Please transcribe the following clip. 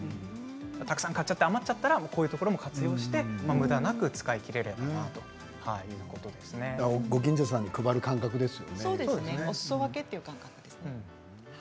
たくさん買っちゃって余っちゃったらこういうところも活用してむだなく使い切れるかなご近所さんに配るおすそ分けという考えです。